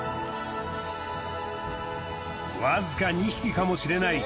わずか２匹かもしれない。